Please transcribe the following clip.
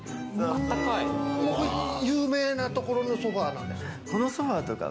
有名なところのソファなんですか？